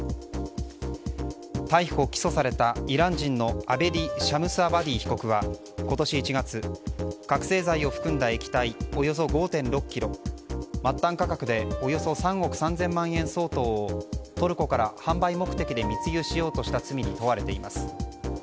逮捕・起訴されたイラン人のアベディ・シャムスアバディ被告は今年１月、覚醒剤を含んだ液体およそ５．６ｋｇ末端価格でおよそ３億３０００万円相当をトルコから販売目的で密輸しようとした罪に問われています。